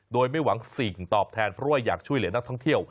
โดยไม่หวังสิ่งตอบแทนเพราะว่าอยากช่วยเหลือนักท่องเที่ยว